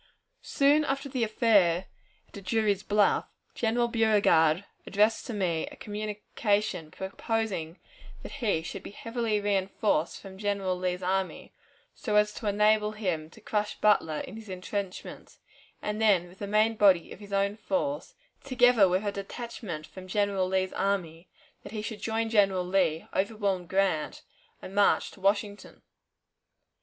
Soon after the affair at Drury's Bluff, General Beauregard addressed to me a communication, proposing that he should be heavily reinforced from General Lee's army, so as to enable him to crush Butler in his intrenchments, and then, with the main body of his own force, together with a detachment from General Lee's army, that he should join General Lee, overwhelm Grant, and march to Washington.